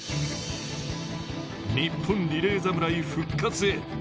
日本リレー侍、復活へ。